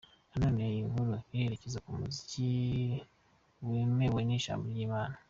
Na none iyi nkuru irerekeza ku umuziki wemewe n’ijambo ry’Imana.